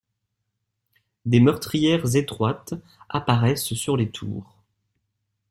Des meurtrières étroites apparaissent sur les tours.